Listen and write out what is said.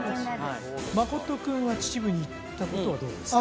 真君は秩父に行ったことはどうですか？